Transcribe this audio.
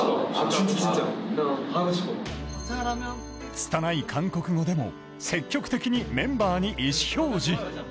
つたない韓国語でも積極的にメンバーに意思表示。